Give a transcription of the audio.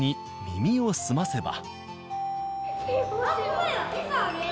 耳をすませば。